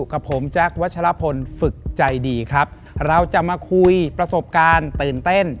กับผมแจ๊ควัชลพลฝึกใจดีครับเราจะมาคุยประสบการณ์ตื่นเต้น